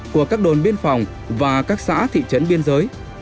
của các đồn biên phòng và các xã thị trấn biên giới